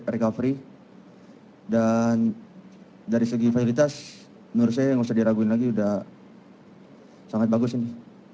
recovery dan dari segi fasilitas menurut saya yang tidak usah diragukan lagi sudah sangat bagus ini